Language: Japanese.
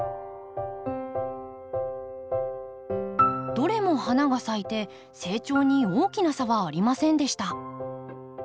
どれも花が咲いて成長に大きな差はありませんでした。